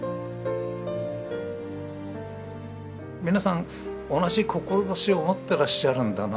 皆さん同じ志を持ってらっしゃるんだなと。